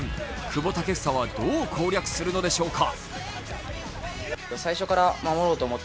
久保建英はどう攻略するのでしょうか。